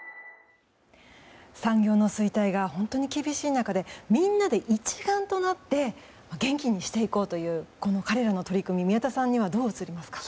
産業の衰退が本当に厳しい中でみんなで一丸となって元気にしていこうというこの彼らの取り組み宮田さんにはどう映りますか？